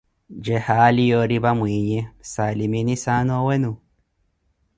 Jee haali yooripa mwiinyi, saalimini saana owenu ?